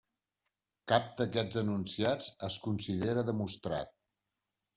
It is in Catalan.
Cap d'aquests enunciats es considera demostrat.